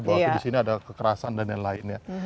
bahwa disini ada kekerasan dan yang lainnya